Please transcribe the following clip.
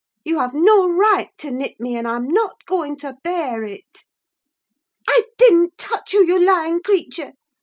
You have no right to nip me, and I'm not going to bear it." "I didn't touch you, you lying creature!"